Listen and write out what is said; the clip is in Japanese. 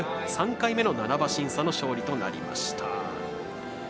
３回目の７馬身差の勝利となりました。